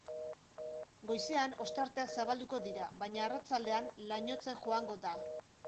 Goizean ostarteak zabalduko dira, baina arratsaldean lainotzen joango da.